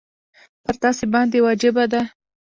پر تاسي باندي واجبه ده.